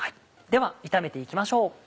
では炒めて行きましょう。